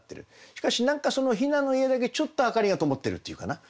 しかし何かその雛の家だけちょっと明かりがともってるっていうかな。